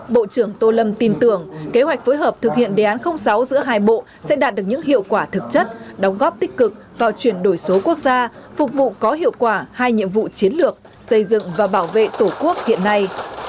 bộ trưởng tô lâm tin tưởng kế hoạch phối hợp thực hiện đề án sáu giữa hai bộ sẽ đạt được những hiệu quả thực chất đóng góp tích cực vào chuyển đổi số quốc gia phục vụ có hiệu quả hai nhiệm vụ chiến lược xây dựng và bảo vệ tổ quốc hiện nay